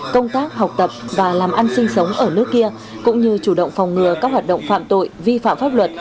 công tác học tập và làm ăn sinh sống ở nước kia cũng như chủ động phòng ngừa các hoạt động phạm tội vi phạm pháp luật